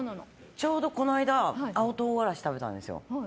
ちょうどこの間青唐辛子を食べたんですよ。